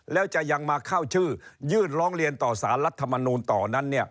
แล้วจะยังมาเข้าชื่อยื่นร้องเรียนต่อสารรัฐมนูลต่อนั้น